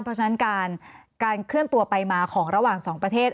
เพราะฉะนั้นการเคลื่อนตัวไปมาของระหว่างสองประเทศ